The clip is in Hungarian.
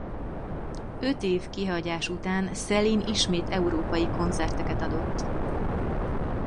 Öt év kihagyás után Céline ismét európai koncerteket adott.